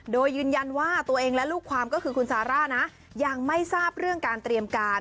โดยยืนยันว่าตัวเองและลูกความก็คือคุณซาร่านะยังไม่ทราบเรื่องการเตรียมการ